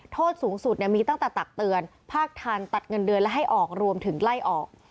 โทษสูงสุดมีตั้งแต่ตักเตือนภาคทันตัดเงินเดือนและให้ออกรวมถึงไล่ออก